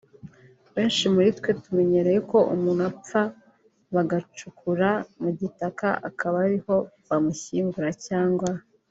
Benshi muri twe tumenyereye ko umuntu apfa bagacukura mugitaka akaba ariho ba mu shyingura cyangwa